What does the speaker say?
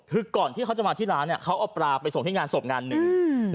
คือก่อนที่เขาจะมาที่ร้านเนี่ยเขาเอาปลาไปส่งที่งานศพงานหนึ่ง